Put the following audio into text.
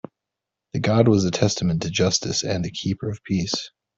The god was a testament to justice and a keeper of peace.